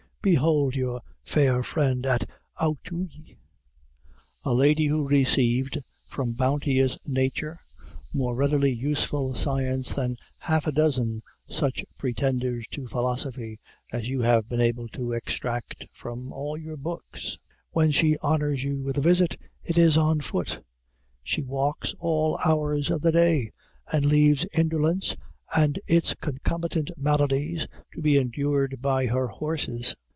Behold your fair friend at Auteuil; a lady who received from bounteous nature more really useful science than half a dozen such pretenders to philosophy as you have been able to extract from all your books. When she honors you with a visit, it is on foot. She walks all hours of the day, and leaves indolence, and its concomitant maladies, to be endured by her horses.